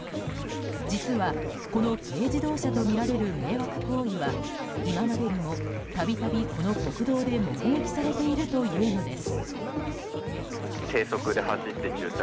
実は、この軽自動車とみられる迷惑行為は今までにも度々この国道で目撃されているというのです。